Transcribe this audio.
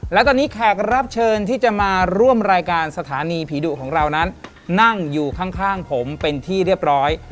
และตอนนี้แขกรับเชิญที่จะมาร่วมรายการสถานีผีดุของเรานั้นนั่งอยู่ข้างผมเป็นที่เรียบร้อย